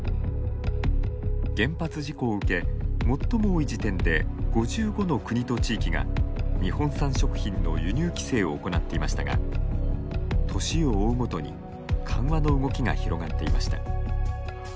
原発事故を受け最も多い時点で５５の国と地域が日本産食品の輸入規制を行っていましたが年を追うごとに緩和の動きが広がっていました。